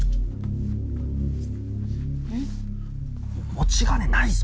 持ち金ないぞ。